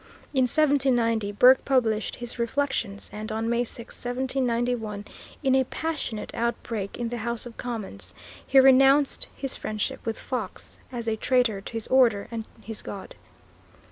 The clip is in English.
In 1790 Burke published his "Reflections," and on May 6, 1791, in a passionate outbreak in the House of Commons, he renounced his friendship with Fox as a traitor to his order and his God.